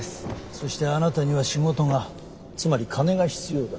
そしてあなたには仕事がつまり金が必要だ。